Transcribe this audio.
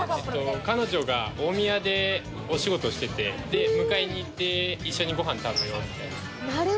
彼女が大宮でお仕事をしてて迎えに行って一緒にご飯食べようって。